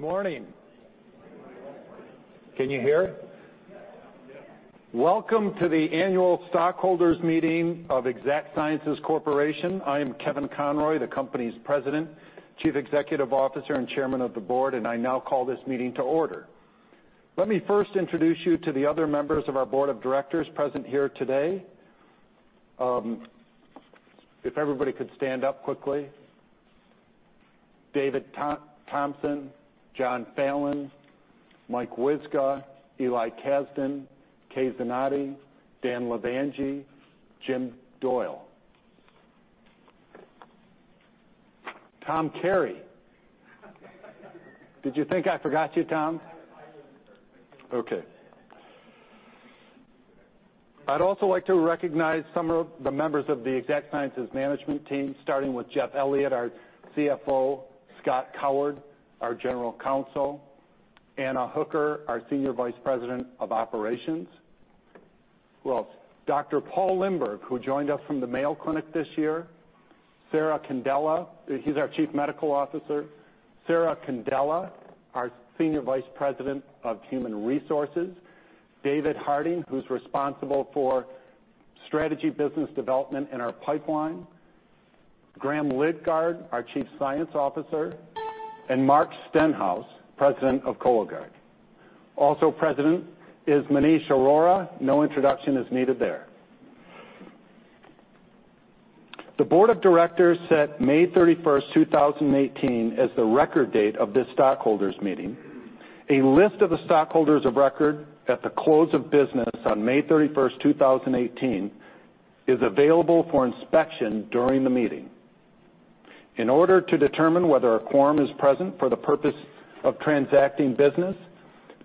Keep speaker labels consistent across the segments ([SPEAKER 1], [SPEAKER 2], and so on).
[SPEAKER 1] Good morning. Good morning. Can you hear? Yes. Welcome to the annual stockholders meeting of Exact Sciences Corporation. I am Kevin Conroy, the company's President, Chief Executive Officer, and Chairman of the Board, and I now call this meeting to order. Let me first introduce you to the other members of our board of directors present here today. If everybody could stand up quickly. David Thompson, John Fallon, Mike Wyzga, Eli Casdin, Kay Zanotti, Dan Levangie, Jim Doyle. Tom Carey. Did you think I forgot you, Tom? I didn't, sir. Thank you. Okay. I'd also like to recognize some of the members of the Exact Sciences management team, starting with Jeff Elliott, our CFO, Scott Coward, our General Counsel, Ana Hooker, our Senior Vice President of Operations. Who else? Dr. Paul Limburg, who joined us from the Mayo Clinic this year. He's our Chief Medical Officer. Sarah Condella, our Senior Vice President of Human Resources. David Harding, who's responsible for strategy business development in our pipeline. Graham Lidgard, our Chief Science Officer, and Mark Stenhouse, President of Cologuard. Also President is Maneesh Arora. No introduction is needed there. The board of directors set May 31st, 2018, as the record date of this stockholders meeting. A list of the stockholders of record at the close of business on May 31st, 2018, is available for inspection during the meeting. In order to determine whether a quorum is present for the purpose of transacting business,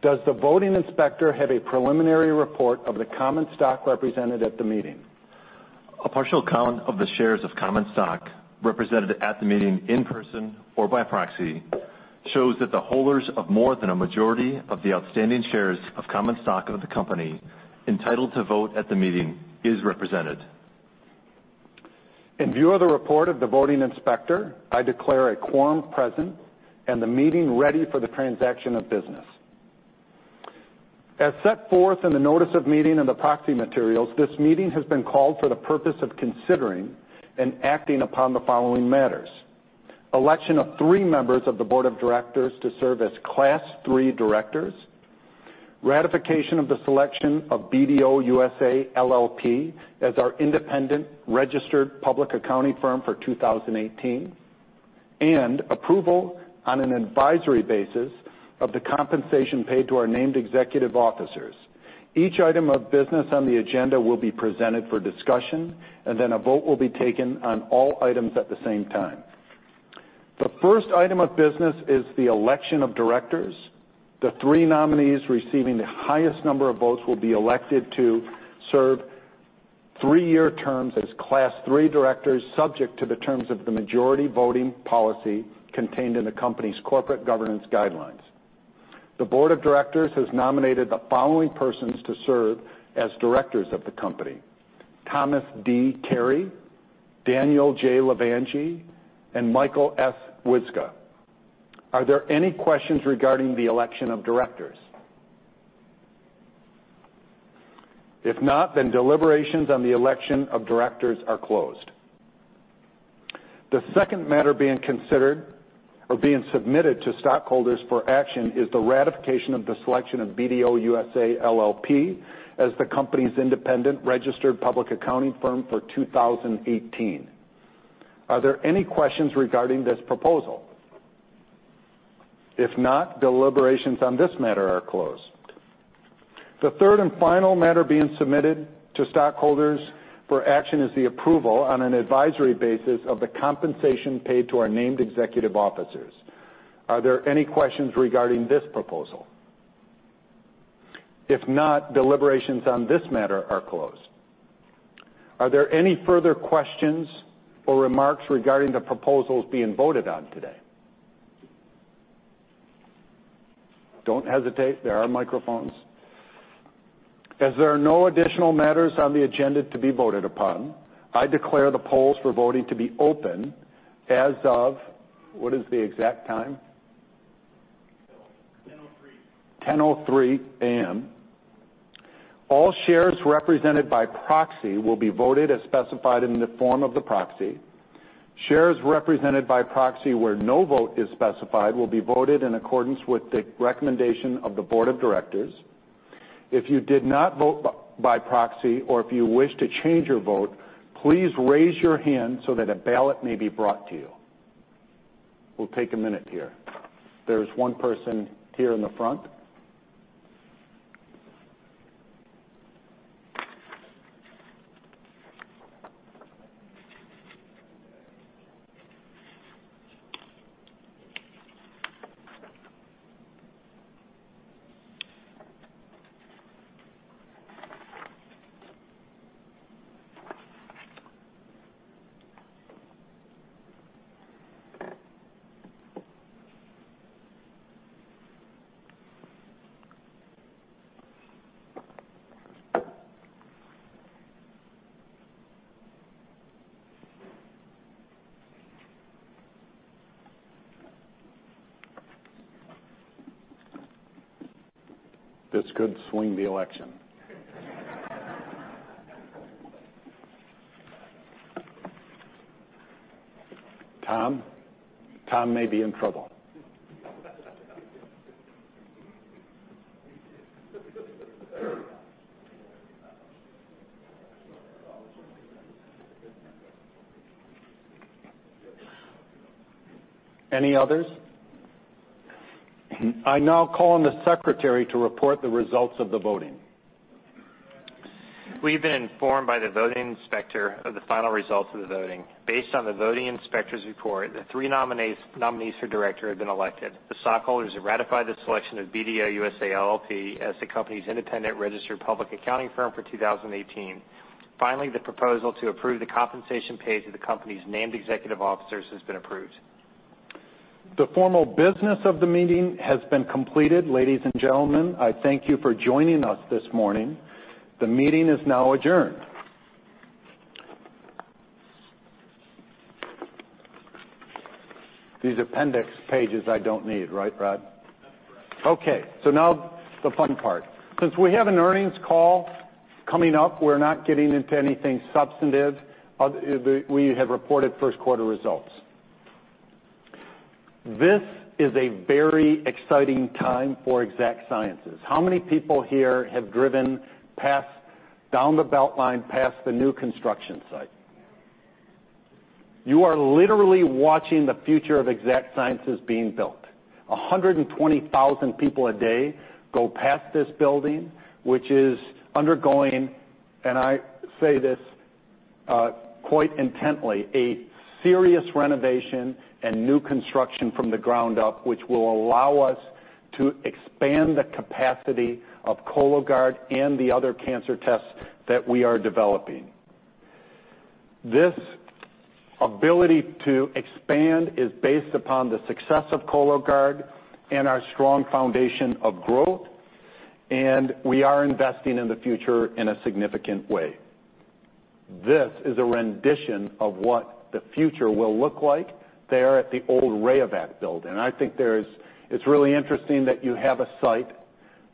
[SPEAKER 1] does the voting inspector have a preliminary report of the common stock represented at the meeting?
[SPEAKER 2] A partial count of the shares of common stock represented at the meeting in person or by proxy shows that the holders of more than a majority of the outstanding shares of common stock of the company entitled to vote at the meeting is represented.
[SPEAKER 1] In view of the report of the voting inspector, I declare a quorum present and the meeting ready for the transaction of business. As set forth in the notice of meeting and the proxy materials, this meeting has been called for the purpose of considering and acting upon the following matters: election of three members of the board of directors to serve as Class III directors, ratification of the selection of BDO USA, LLP as our independent registered public accounting firm for 2018, and approval on an advisory basis of the compensation paid to our named executive officers. Each item of business on the agenda will be presented for discussion, and then a vote will be taken on all items at the same time. The first item of business is the election of directors. The three nominees receiving the highest number of votes will be elected to serve three-year terms as Class III directors, subject to the terms of the majority voting policy contained in the company's corporate governance guidelines. The board of directors has nominated the following persons to serve as directors of the company: Thomas D. Carey, Daniel J. Levangie, and Michael F. Wyzga. Are there any questions regarding the election of directors? If not, deliberations on the election of directors are closed. The second matter being considered or being submitted to stockholders for action is the ratification of the selection of BDO USA, LLP as the company's independent registered public accounting firm for 2018. Are there any questions regarding this proposal? If not, deliberations on this matter are closed. The third and final matter being submitted to stockholders for action is the approval on an advisory basis of the compensation paid to our named executive officers. Are there any questions regarding this proposal? If not, deliberations on this matter are closed. Are there any further questions or remarks regarding the proposals being voted on today? Don't hesitate. There are microphones. As there are no additional matters on the agenda to be voted upon, I declare the polls for voting to be open as of What is the exact time? 10:03. 10:03 A.M. All shares represented by proxy will be voted as specified in the form of the proxy. Shares represented by proxy where no vote is specified will be voted in accordance with the recommendation of the board of directors. If you did not vote by proxy or if you wish to change your vote, please raise your hand so that a ballot may be brought to you. We'll take a minute here. There's one person here in the front. This could swing the election. Tom? Tom may be in trouble. Any others? I now call on the secretary to report the results of the voting.
[SPEAKER 3] We've been informed by the voting inspector of the final results of the voting. Based on the voting inspector's report, the three nominees for director have been elected. The stockholders have ratified the selection of BDO USA, LLP as the company's independent registered public accounting firm for 2018. Finally, the proposal to approve the compensation paid to the company's named executive officers has been approved.
[SPEAKER 1] The formal business of the meeting has been completed, ladies and gentlemen. I thank you for joining us this morning. The meeting is now adjourned. These appendix pages I don't need, right, Brad?
[SPEAKER 3] That's correct.
[SPEAKER 1] Okay, now the fun part. Since we have an earnings call coming up, we're not getting into anything substantive. We have reported first quarter results. This is a very exciting time for Exact Sciences. How many people here have driven down the Beltline, past the new construction site? You are literally watching the future of Exact Sciences being built. 120,000 people a day go past this building, which is undergoing, and I say this quite intently, a serious renovation and new construction from the ground up, which will allow us to expand the capacity of Cologuard and the other cancer tests that we are developing. This ability to expand is based upon the success of Cologuard and our strong foundation of growth, and we are investing in the future in a significant way. This is a rendition of what the future will look like there at the old Rayovac building. I think it's really interesting that you have a site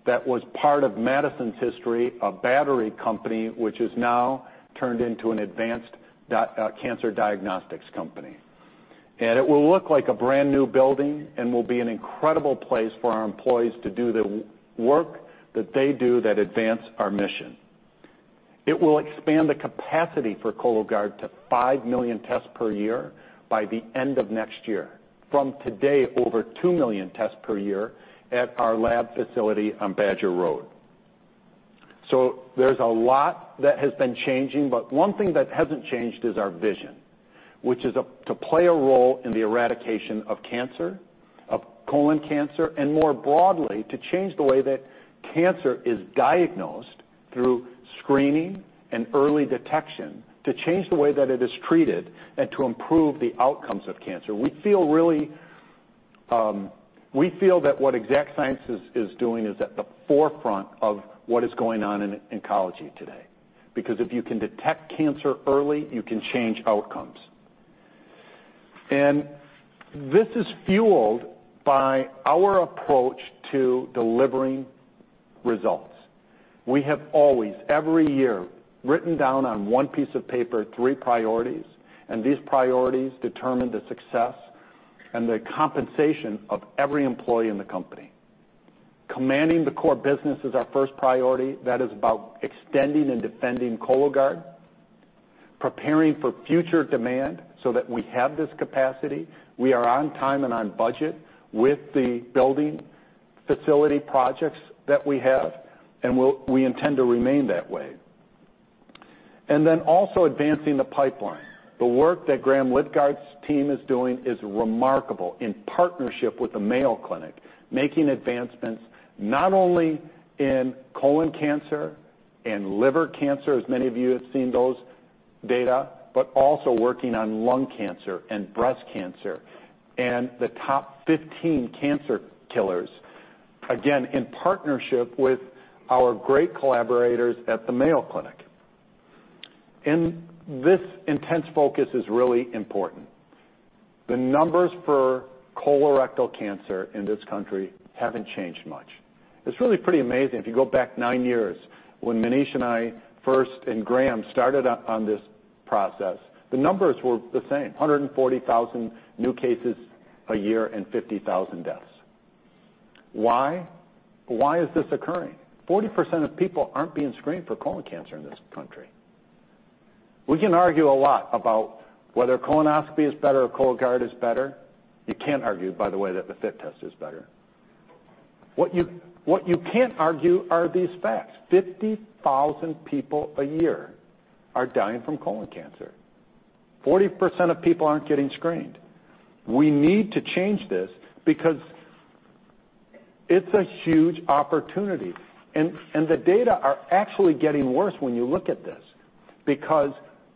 [SPEAKER 1] that was part of Madison's history, a battery company, which is now turned into an advanced cancer diagnostics company. It will look like a brand-new building and will be an incredible place for our employees to do the work that they do that advance our mission. It will expand the capacity for Cologuard to 5 million tests per year by the end of next year, from today, over 2 million tests per year at our lab facility on Badger Road. There's a lot that has been changing, but one thing that hasn't changed is our vision, which is to play a role in the eradication of cancer, of colon cancer, and more broadly, to change the way that cancer is diagnosed through screening and early detection, to change the way that it is treated, and to improve the outcomes of cancer. We feel that what Exact Sciences is doing is at the forefront of what is going on in oncology today. Because if you can detect cancer early, you can change outcomes. This is fueled by our approach to delivering results. We have always, every year, written down on one piece of paper three priorities, and these priorities determine the success and the compensation of every employee in the company. Commanding the core business is our first priority. That is about extending and defending Cologuard, preparing for future demand so that we have this capacity. We are on time and on budget with the building facility projects that we have, and we intend to remain that way. Also advancing the pipeline. The work that Graham Lidgard's team is doing is remarkable in partnership with the Mayo Clinic, making advancements not only in colon cancer and liver cancer, as many of you have seen those data, but also working on lung cancer and breast cancer and the top 15 cancer killers. Again, in partnership with our great collaborators at the Mayo Clinic. This intense focus is really important. The numbers for colorectal cancer in this country haven't changed much. It's really pretty amazing. If you go back nine years, when Maneesh and I first, and Graham, started on this process, the numbers were the same, 140,000 new cases a year and 50,000 deaths. Why? Why is this occurring? 40% of people aren't being screened for colon cancer in this country. We can argue a lot about whether colonoscopy is better or Cologuard is better. You can't argue, by the way, that the FIT test is better. What you can't argue are these facts. 50,000 people a year are dying from colon cancer. 40% of people aren't getting screened. We need to change this because it's a huge opportunity, the data are actually getting worse when you look at this.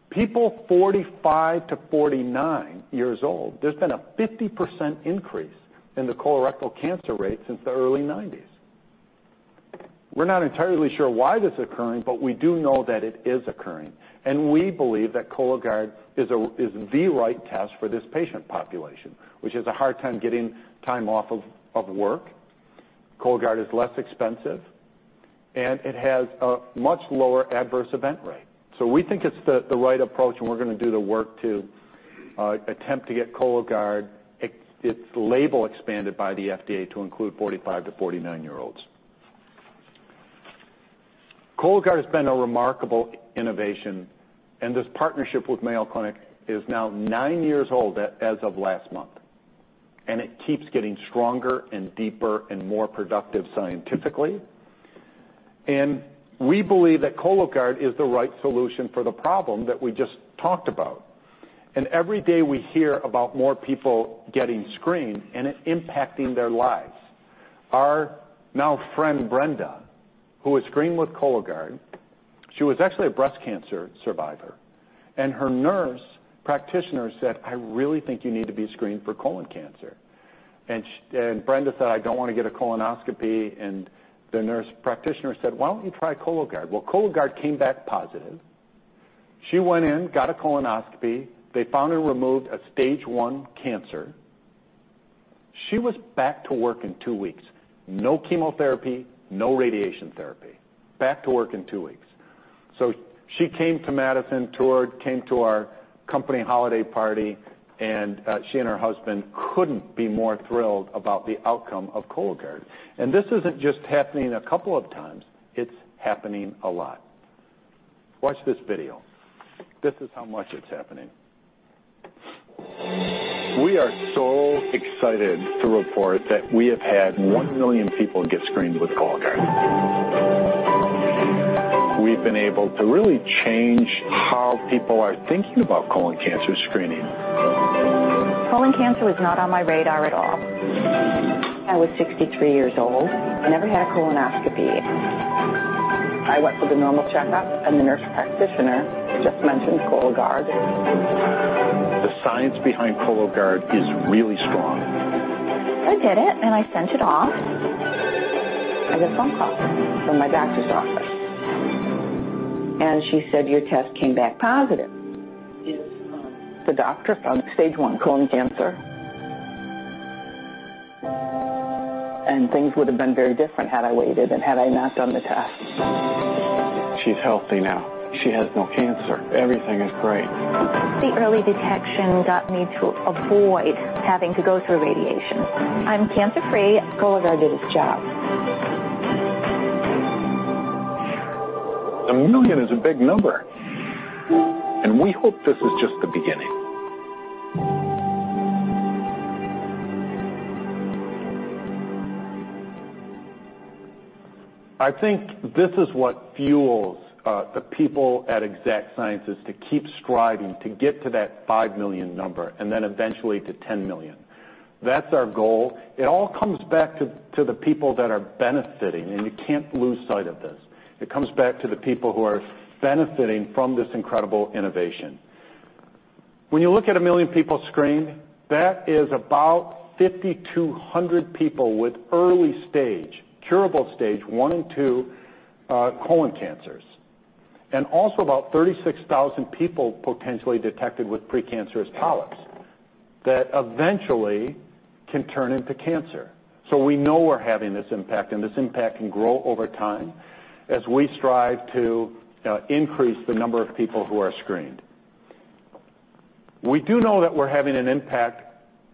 [SPEAKER 1] People 45 to 49 years old, there's been a 50% increase in the colorectal cancer rate since the early 1990s. We're not entirely sure why this is occurring, we do know that it is occurring, we believe that Cologuard is the right test for this patient population, which has a hard time getting time off of work. Cologuard is less expensive, and it has a much lower adverse event rate. We think it's the right approach, we're going to do the work to attempt to get Cologuard, its label expanded by the FDA to include 45 to 49-year-olds. Cologuard has been a remarkable innovation, this partnership with Mayo Clinic is now nine years old as of last month, it keeps getting stronger and deeper and more productive scientifically. We believe that Cologuard is the right solution for the problem that we just talked about. Every day we hear about more people getting screened and it impacting their lives. Our now friend, Brenda, who was screened with Cologuard, she was actually a breast cancer survivor. Her nurse practitioner said, "I really think you need to be screened for colon cancer." Brenda said, "I don't want to get a colonoscopy." The nurse practitioner said, "Why don't you try Cologuard?" Well, Cologuard came back positive. She went in, got a colonoscopy. They found and removed a stage 1 cancer. She was back to work in two weeks. No chemotherapy, no radiation therapy. Back to work in two weeks. She came to Madison, toured, came to our company holiday party, and she and her husband couldn't be more thrilled about the outcome of Cologuard. This isn't just happening a couple of times. It's happening a lot. Watch this video. This is how much it's happening. We are so excited to report that we have had 1 million people get screened with Cologuard. We've been able to really change how people are thinking about colon cancer screening.
[SPEAKER 4] Colon cancer was not on my radar at all. I was 63 years old and never had a colonoscopy. I went for the normal checkup. The nurse practitioner just mentioned Cologuard.
[SPEAKER 1] The science behind Cologuard is really strong.
[SPEAKER 4] I did it, and I sent it off. I get a phone call from my doctor's office, and she said, "Your test came back positive." The doctor found stage 1 colon cancer. Things would have been very different had I waited and had I not done the test.
[SPEAKER 1] She's healthy now. She has no cancer. Everything is great.
[SPEAKER 4] The early detection got me to avoid having to go through radiation. I'm cancer-free. Cologuard did its job.
[SPEAKER 1] A million is a big number, and we hope this is just the beginning. I think this is what fuels the people at Exact Sciences to keep striving to get to that 5 million number and then eventually to 10 million. That's our goal. It all comes back to the people that are benefiting, and you can't lose sight of this. It comes back to the people who are benefiting from this incredible innovation. When you look at 1 million people screened, that is about 5,200 people with early stage, curable stage 1 and 2 colon cancers, and also about 36,000 people potentially detected with precancerous polyps that eventually can turn into cancer. We know we're having this impact, and this impact can grow over time as we strive to increase the number of people who are screened. We do know that we're having an impact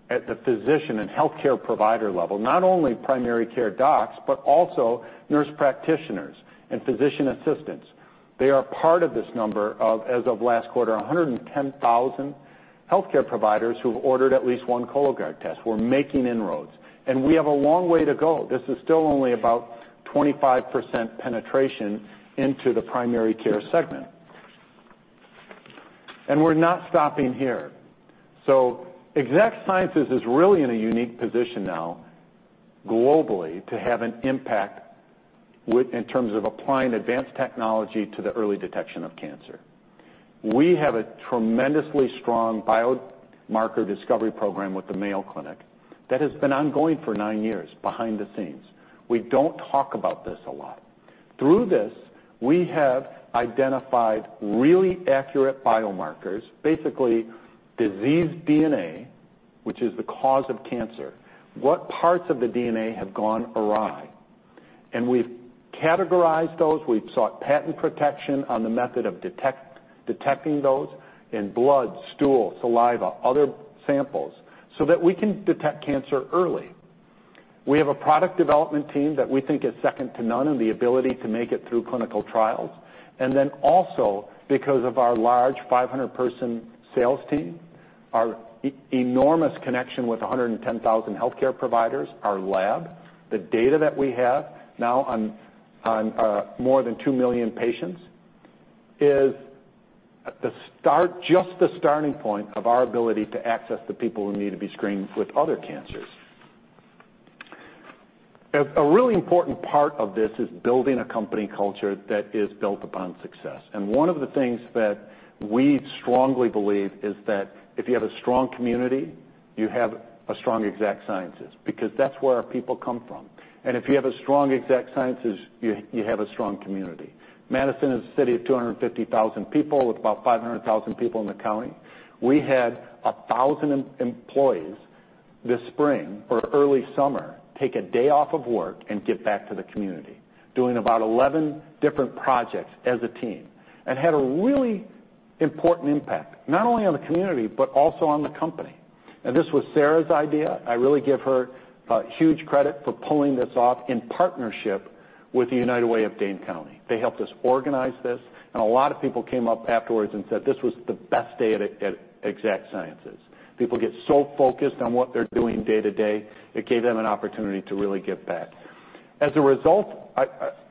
[SPEAKER 1] at the physician and healthcare provider level, not only primary care docs, but also nurse practitioners and physician assistants. They are part of this number of, as of last quarter, 110,000 healthcare providers who've ordered at least one Cologuard test. We're making inroads. We have a long way to go. This is still only about 25% penetration into the primary care segment. We're not stopping here. Exact Sciences is really in a unique position now globally to have an impact in terms of applying advanced technology to the early detection of cancer. We have a tremendously strong biomarker discovery program with the Mayo Clinic that has been ongoing for nine years behind the scenes. We don't talk about this a lot. Through this, we have identified really accurate biomarkers, basically diseased DNA, which is the cause of cancer. What parts of the DNA have gone awry? We've categorized those. We've sought patent protection on the method of detecting those in blood, stool, saliva, other samples, so that we can detect cancer early. We have a product development team that we think is second to none in the ability to make it through clinical trials. Also because of our large 500-person sales team, our enormous connection with 110,000 healthcare providers, our lab, the data that we have now on more than 2 million patients is just the starting point of our ability to access the people who need to be screened with other cancers. A really important part of this is building a company culture that is built upon success. One of the things that we strongly believe is that if you have a strong community, you have a strong Exact Sciences because that's where our people come from. If you have a strong Exact Sciences, you have a strong community. Madison is a city of 250,000 people with about 500,000 people in the county. We had 1,000 employees this spring or early summer, take a day off of work and give back to the community, doing about 11 different projects as a team. Had a really important impact, not only on the community, but also on the company. This was Sarah's idea. I really give her huge credit for pulling this off in partnership with the United Way of Dane County. They helped us organize this. A lot of people came up afterwards and said, "This was the best day at Exact Sciences." People get so focused on what they're doing day to day, it gave them an opportunity to really give back. As a result,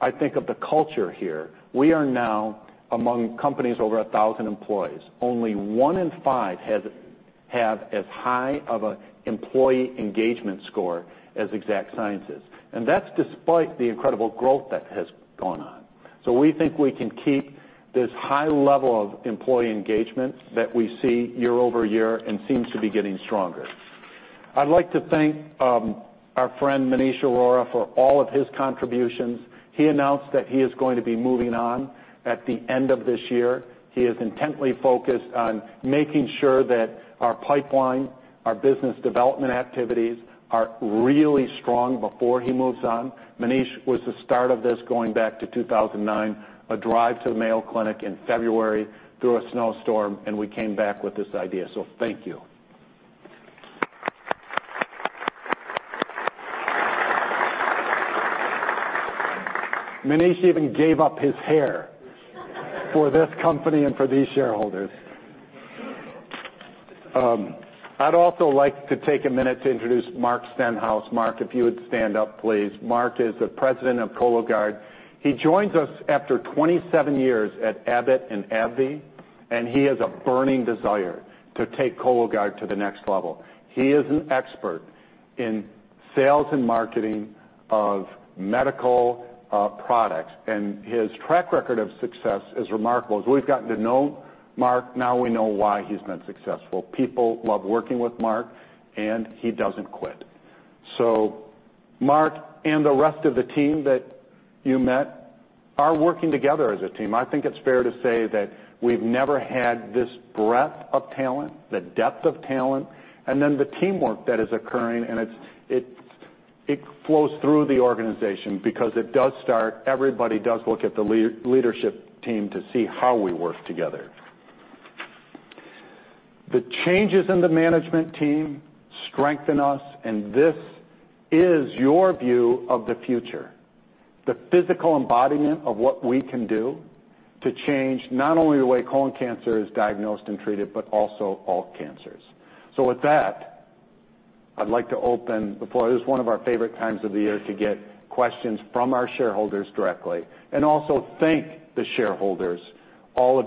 [SPEAKER 1] I think of the culture here. We are now among companies over 1,000 employees. Only 1 in 5 have as high of an employee engagement score as Exact Sciences. That's despite the incredible growth that has gone on. We think we can keep this high level of employee engagement that we see year-over-year and seems to be getting stronger. I'd like to thank our friend Maneesh Arora for all of his contributions. He announced that he is going to be moving on at the end of this year. He is intently focused on making sure that our pipeline, our business development activities are really strong before he moves on. Maneesh was the start of this, going back to 2009, a drive to the Mayo Clinic in February through a snowstorm. We came back with this idea. Thank you. Maneesh even gave up his hair for this company and for these shareholders. I'd also like to take a minute to introduce Mark Stenhouse. Mark, if you would stand up, please. Mark is the president of Cologuard. He joins us after 27 years at Abbott and AbbVie. He has a burning desire to take Cologuard to the next level. He is an expert in sales and marketing of medical products. His track record of success is remarkable. As we've gotten to know Mark, now we know why he's been successful. People love working with Mark. He doesn't quit. Mark and the rest of the team that you met are working together as a team. I think it's fair to say that we've never had this breadth of talent, the depth of talent, the teamwork that is occurring. It flows through the organization because everybody does look at the leadership team to see how we work together. The changes in the management team strengthen us. This is your view of the future, the physical embodiment of what we can do to change not only the way colon cancer is diagnosed and treated, but also all cancers. With that, I'd like to open the floor. This is one of our favorite times of the year to get questions from our shareholders directly and also thank the shareholders, all of you